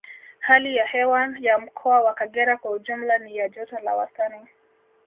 Hali ya hewa ya Mkoa wa Kagera kwa ujumla ni ya joto la wastani